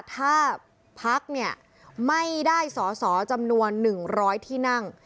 ถ้าพักเนี่ยไม่ได้สอสอจำนวน๑๐๐ที่นั่ง